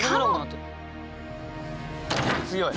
強い。